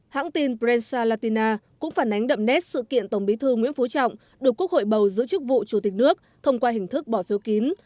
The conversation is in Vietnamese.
hãng tin brensa latina cũng phản ánh đậm nét sự kiện tổng bí thư nguyễn phú trọng được quốc hội bầu giữ chức vụ chủ tịch nước thông qua hình thức bỏ phiếu kín